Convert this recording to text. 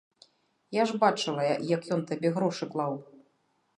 Я ж бачыла, як ён табе грошы клаў.